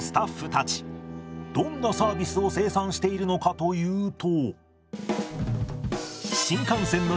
どんなサービスを生産しているのかというと。